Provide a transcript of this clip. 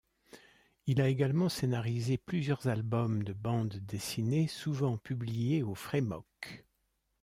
Il a également scénarisé plusieurs albums de bande dessinée souvent publiés au Frémok.